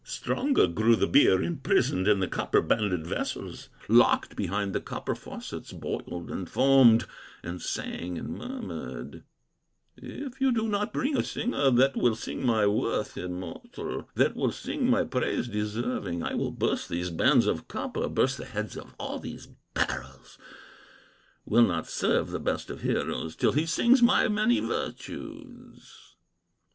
Stronger grew the beer imprisoned In the copper banded vessels, Locked behind the copper faucets, Boiled, and foamed, and sang, and murmured: "If ye do not bring a singer, That will sing my worth immortal, That will sing my praise deserving, I will burst these bands of copper, Burst the heads of all these barrels; Will not serve the best of heroes Till he sings my many virtues."